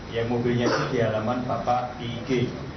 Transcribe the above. yang mobilnya di halaman bapak